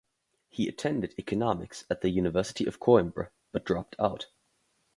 He attended economics at the University of Coimbra but dropped out.